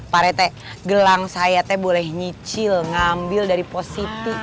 pak rete gelang saya te boleh nyicil ngambil dari positi